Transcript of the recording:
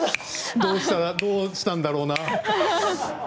どうしたら、どうしたんだろうな。